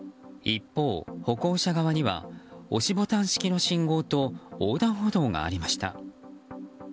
一方、歩行者側には押しボタン式の信号と横断歩道がありました。